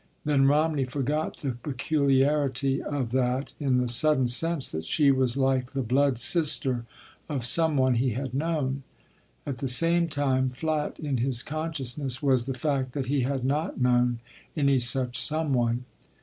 Then Romney forgot the peculiarity of that, in the sudden sense that she was like the blood sister of some one he had known. At the same time flat in his consciousness was the fact that he had not known any such "some one."